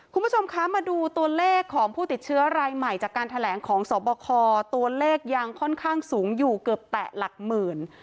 คุณผู้ชมคะมาดูตัวเลขของผู้ติดเชื้อรายใหม่จากการแถลงของสบคตัวเลขยังค่อนข้างสูงอยู่เกือบแตะหลักหมื่น